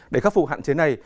để khắc phục hạn chế này